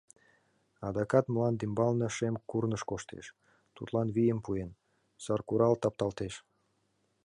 Адакат мландӱмбалне шем курныж коштеш, Тудлан вийым пуэн, саркурал тапталтеш.